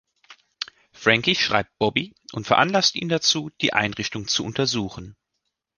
Frankie schreibt Bobby und veranlasst ihn dazu, die Einrichtung zu untersuchen.